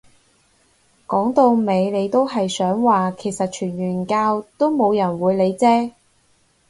講到尾你都係想話其實傳完教都冇人會理啫